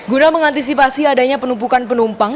guna mengantisipasi adanya penumpukan penumpang